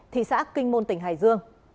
thị xã kinh môn tỉnh hải dương